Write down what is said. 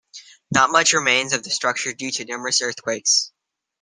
Not much remains of the structure due to numerous earthquakes.